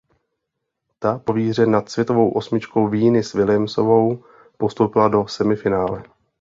Ta po výhře nad světovou osmičkou Venus Williamsovou postoupila do semifinále.